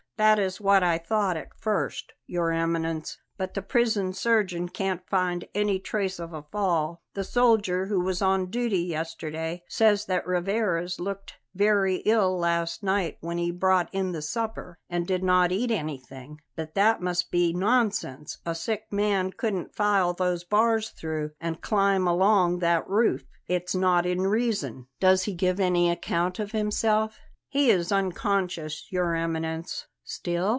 "That is what I thought at first. Your Eminence; but the prison surgeon can't find any trace of a fall. The soldier who was on duty yesterday says that Rivarez looked very ill last night when he brought in the supper, and did not eat anything. But that must be nonsense; a sick man couldn't file those bars through and climb along that roof. It's not in reason." "Does he give any account of himself?" "He is unconscious, Your Eminence." "Still?"